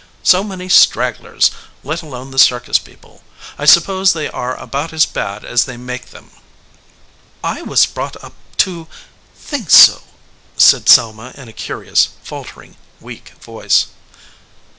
So many stragglers, let alone the circus people. I suppose they are about as bad as they make them." "I was brought up to think so," said Selma in a curious, faltering, weak voice.